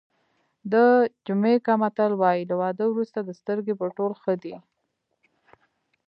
د جمیکا متل وایي له واده وروسته د سترګې پټول ښه دي.